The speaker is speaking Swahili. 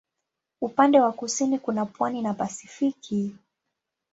Upande wa kusini kuna pwani na Pasifiki.